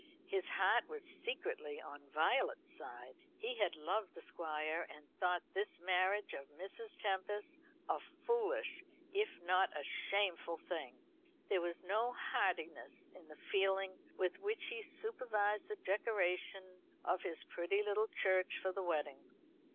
His heart was secretly on Violet's side. He had loved the Squire, and he thought this marriage of Mrs. Tempest's a foolish, if not a shameful thing. There was no heartiness in the feeling with which he supervised the decoration of his pretty tittle church for the wedding.